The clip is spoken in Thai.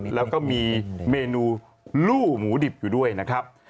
แล้วก็มีเมนูลู่หมูดิบอยู่ด้วยนะครับ